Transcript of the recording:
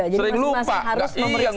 jadi masih harus memeriksa